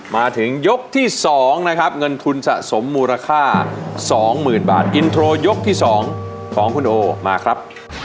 มาถึงยกที่๒นะครับเงินทุนสะสมมูลค่า๒๐๐๐บาทอินโทรยกที่๒ของคุณโอมาครับ